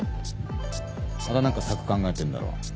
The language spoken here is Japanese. また何か策考えてんだろ。え？